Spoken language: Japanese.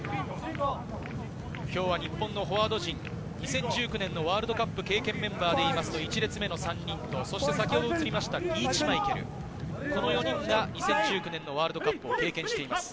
今日は日本のフォワード陣、２０１９年のワールドカップ経験メンバーでいいますと、一列目の３人と、先ほど映りましたリーチ・マイケル、この４人が２０１９年のワールドカップを経験しています。